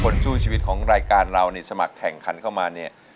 สู้ชีวิตของรายการเราในสมัครแข่งขันเข้ามาเนี่ย